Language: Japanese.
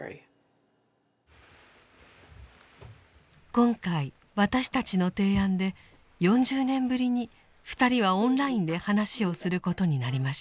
今回私たちの提案で４０年ぶりに２人はオンラインで話をすることになりました。